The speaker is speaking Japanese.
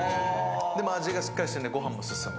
でも味がしっかりしていてご飯も進む。